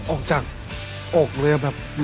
ออกจากอกเลย